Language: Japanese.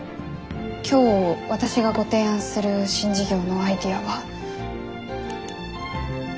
今日私がご提案する新事業のアイデアは。